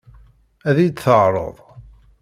Ad iyi-tt-teɛṛeḍ?